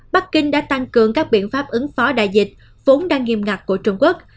bắc kinh đã tăng cường các biện pháp ứng phó đại dịch vốn đang nghiêm ngặt của trung quốc